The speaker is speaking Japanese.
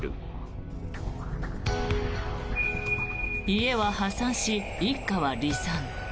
家は破産し、一家は離散。